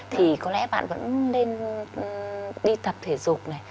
thì có lẽ bạn vẫn nên đi tập thể dục này